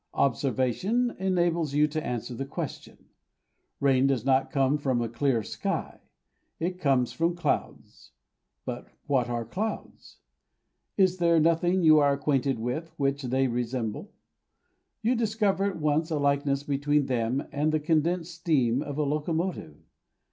Observation enables you to answer the question. Rain does not come from a clear sky. It comes from clouds. But what are clouds? Is there nothing you are acquainted with, which they resemble? You discover at once a likeness between them and the condensed steam of a locomotive.